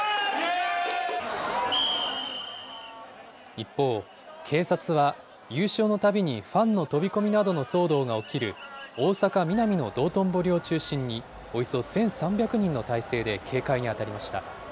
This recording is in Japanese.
一方、警察は優勝のたびにファンの飛び込みなどの騒動が起きる大阪・ミナミの道頓堀を中心におよそ１３００人の態勢で警戒に当たりました。